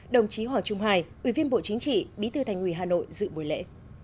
đồng chí hòa trung hải ủy viên bộ chính trị bí tư thành ủy hà nội dự buổi lễ